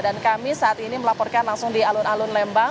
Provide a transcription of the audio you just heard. dan kami saat ini melaporkan langsung di alun alun lembang